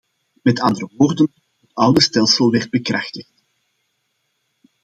Met andere woorden, het oude stelsel werd bekrachtigd.